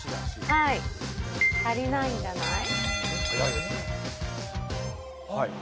足りないんじゃない？